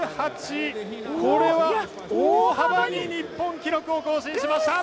これは大幅に日本記録を更新しました！